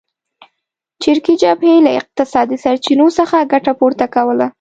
چریکي جبهې له اقتصادي سرچینو څخه ګټه پورته کوله.